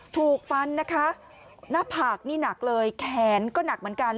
ถูกฟันนะคะหน้าผากนี่หนักเลยแขนก็หนักเหมือนกัน